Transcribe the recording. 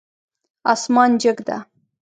اسمان جګ ده